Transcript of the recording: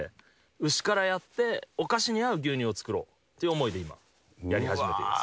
牛からやって、お菓子に合う牛乳を作ろうという思いで今、やり始めています。